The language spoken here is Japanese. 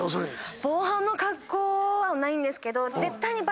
防犯の格好はないんですけど。